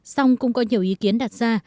song cũng có nhiều ý kiến đặt ra